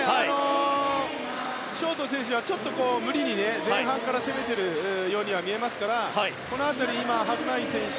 ショート選手がちょっと無理に前半から攻めているようには見えますから、この辺り今ハフナウイ選手